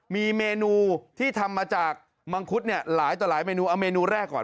มีเมนูที่ทำมาจากมังคุดเนี่ยหลายต่อหลายเมนูเอาเมนูแรกก่อน